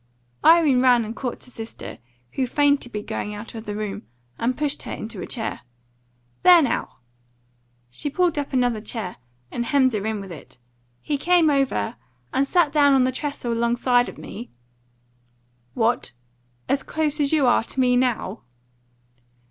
Irene ran and caught her sister, who feigned to be going out of the room, and pushed her into a chair. "There, now!" She pulled up another chair, and hemmed her in with it. "He came over, and sat down on the trestle alongside of me " "What? As close as you are to me now?"